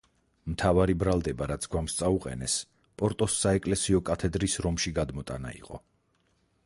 მთავარი ბრალდება, რაც გვამს წაუყენეს, პორტოს საეკლესიო კათედრის რომში გადმოტანა იყო.